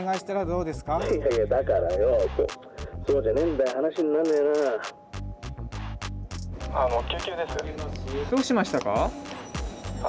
どうしましたか？